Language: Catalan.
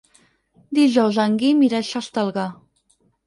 Dijous en Guim irà a Xestalgar.